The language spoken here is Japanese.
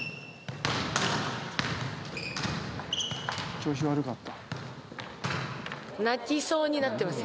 調子悪かった？